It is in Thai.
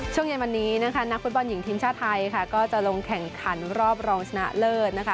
ช่วงเย็นวันนี้นะคะนักฟุตบอลหญิงทีมชาติไทยค่ะก็จะลงแข่งขันรอบรองชนะเลิศนะคะ